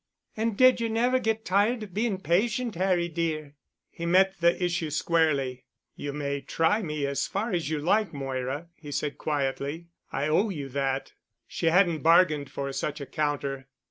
"And did you never get tired of being patient, Harry dear?" He met the issue squarely. "You may try me as far as you like, Moira," he said quietly, "I owe you that." She hadn't bargained for such a counter.